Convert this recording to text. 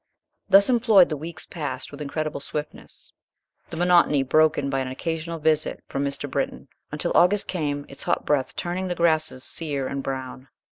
Thus employed the weeks passed with incredible swiftness, the monotony broken by an occasional visit from Mr. Britton, until August came, its hot breath turning the grasses sere and brown.